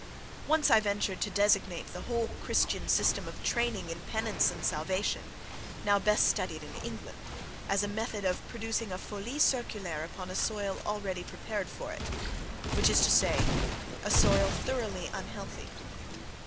Once I ventured to designate the whole Christian system of training in penance and salvation (now best studied in England) as a method of producing a folie circulaire upon a soil already prepared for it, which is to say, a soil thoroughly unhealthy.